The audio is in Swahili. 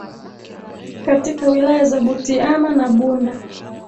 katika wilaya za Butiama na Bunda